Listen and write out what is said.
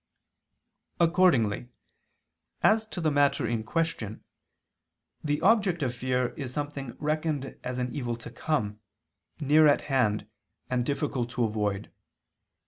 Accordingly, as to the matter in question, the object of fear is something reckoned as an evil to come, near at hand and difficult to avoid.